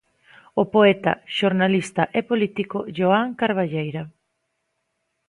O poeta, xornalista e político Johán Carballeira.